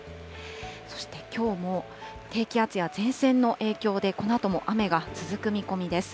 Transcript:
そしてきょうも低気圧や前線の影響で、このあとも雨が続く見込みです。